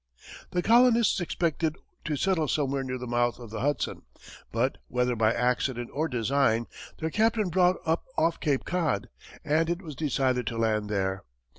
The colonists expected to settle somewhere near the mouth of the Hudson, but, whether by accident or design, their captain brought up off Cape Cod, and it was decided to land there.